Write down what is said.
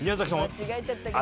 間違えちゃったからね。